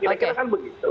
kira kira kan begitu